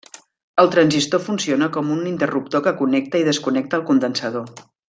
El transistor funciona com un interruptor que connecta i desconnecta al condensador.